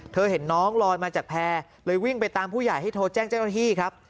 เห็นน้องลอยมาจากแพร่เลยวิ่งไปตามผู้ใหญ่ให้โทรแจ้งเจ้าหน้าที่ครับ